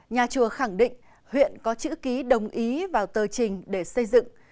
nhà chùa khẳng định huyện có chữ ký đồng ý vào tờ trình để xây dựng